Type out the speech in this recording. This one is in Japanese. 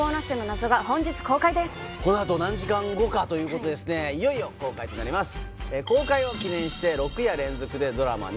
この後何時間後かということでいよいよ公開となります。